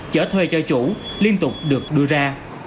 chở thuê cho chủ liên tục được đưa ra